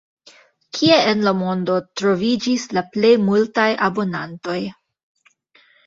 Kie en la mondo troviĝis la plej multaj abonantoj?